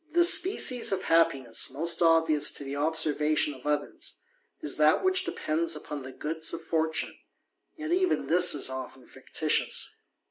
The species of happiness most obvious to the observatio of others, is that which depends upon the goods of fortune yet even this is often fictitious.